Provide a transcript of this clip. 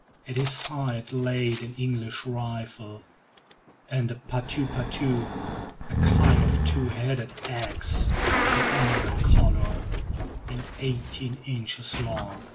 At his side lay an English rifle, and a "patou patou," a kind of two headed ax of an emerald color, and eighteen inches long.